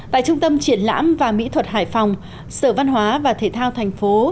tại trung tâm triển lãm và mỹ thuật hải phòng sở văn hóa và thể thao thành phố